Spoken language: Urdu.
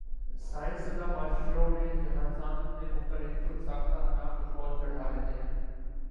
سائنس زدہ معاشروں میں جہاں انسان اپنے اوپر ایک خود ساختہ انا کا خول چڑھا لیتے ہیں